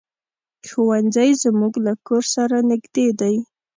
ښوونځی زمونږ له کور سره نږدې دی.